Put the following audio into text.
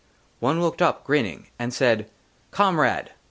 ONE LOOKED UP, GRINNING, AND SAID, " COMRADE